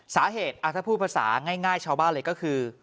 สาเหตุถ้าพูดภาษาง่ายชาวบ้านเลยก็คือ